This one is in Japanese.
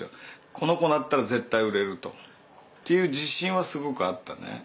この子だったら絶対売れると。という自信はすごくあったね。